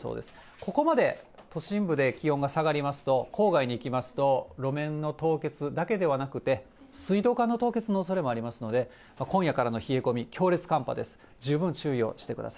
ここまで都心部で気温が下がりますと、郊外に行きますと、路面の凍結だけではなくて、水道管の凍結のおそれもありますので、今夜からの冷え込み、強烈寒波です。